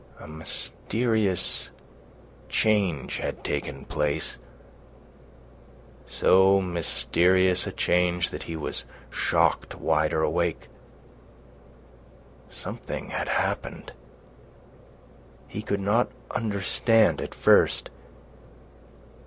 A mysterious change had taken place—so mysterious a change that he was shocked wider awake. Something had happened. He could not understand at first.